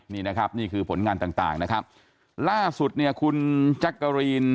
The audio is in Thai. นี่นะครับนี่คือผลงานต่างต่างนะครับล่าสุดเนี่ยคุณแจ๊กกะรีน